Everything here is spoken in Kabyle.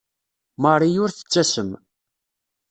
Marie ur tettasem.